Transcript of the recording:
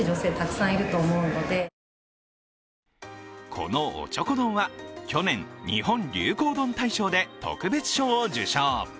このおちょこ丼は去年、日本流行丼大賞で特別賞を受賞。